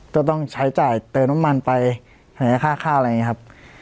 ต้องต้องใช้จ่ายเติมน้ำมันไปหายค่าข้าวอะไรเนี้ยครับ